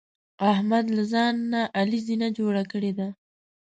احمد له ځان نه علي زینه جوړه کړې ده.